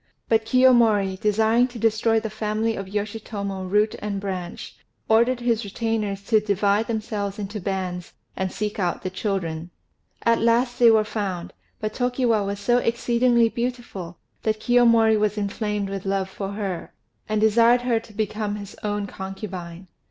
But Kiyomori, desiring to destroy the family of Yoshitomo root and branch, ordered his retainers to divide themselves into bands, and seek out the children. At last they were found; but Tokiwa was so exceedingly beautiful that Kiyomori was inflamed with love for her, and desired her to become his own concubine.